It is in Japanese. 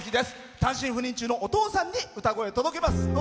単身赴任中のお父さんに歌声を届けます。